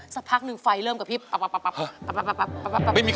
สักพักหนึ่งไฟเริ่มกับพริบปั๊บ